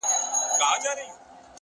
نه مي کوئ گراني، خو ستا لپاره کيږي ژوند،